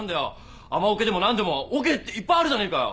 アマオケでも何でもオケっていっぱいあるじゃねえかよ！